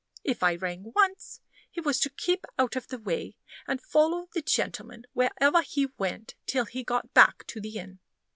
If I rang once, he was to keep out of the way, and follow the gentleman whereever he went till he got back to the inn.